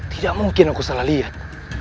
tidak mungkin aku salah lihat